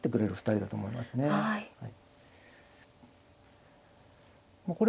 はい。